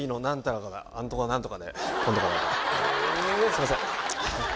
すいません